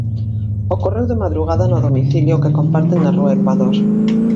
Ocorreu de madrugada no domicilio que comparten na rúa Ecuador.